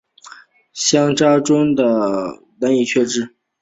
乡札中的训读字实际如何发音往往难以确知。